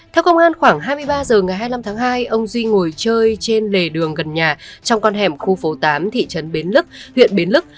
theo công an khoảng hai mươi ba h ngày hai mươi năm tháng hai ông duy ngồi chơi trên lề đường gần nhà trong con hẻm khu phố tám thị trấn bến lức huyện bến lức